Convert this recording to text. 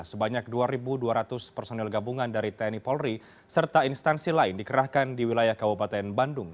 sebanyak dua dua ratus personil gabungan dari tni polri serta instansi lain dikerahkan di wilayah kabupaten bandung